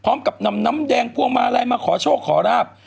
พร้อมกับน้ำน้ำแดงก้วงมาอะไรมาขอโชว์ขอราบ